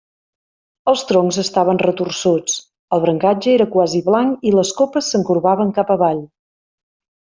Els troncs estaven retorçuts; el brancatge era quasi blanc i les copes s'encorbaven cap avall.